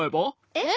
えっ？